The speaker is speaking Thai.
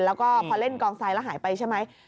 แล้วก็พอเล่นกองทรายแล้วหายไปใช่ไหม